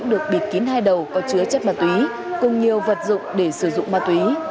được bịt kín hai đầu có chứa chất ma túy cùng nhiều vật dụng để sử dụng ma túy